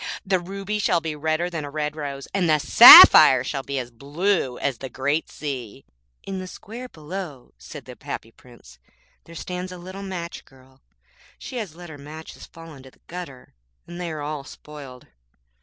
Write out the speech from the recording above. The ruby shall be redder than a red rose, and the sapphire shall be as blue as the great sea. < 7 > 'In the square below,' said the Happy Prince, 'there stands a little match girl. She has let her matches fall in the gutter, and they are all spoiled.